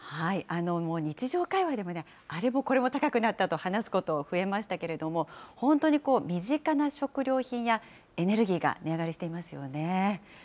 日常会話でも、あれもこれも高くなったと話すこと増えましたけれども、本当に身近な食料品や、エネルギーが値上がりしていますよね。